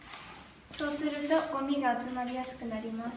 そうするとごみが集まりやすくなります。